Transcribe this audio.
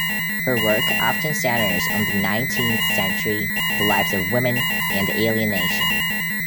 Her work often centers on the nineteenth century, the lives of women, and alienation.